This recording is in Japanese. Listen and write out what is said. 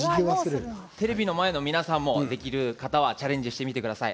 テレビの前の皆さんもできる方はチャレンジしてみてください。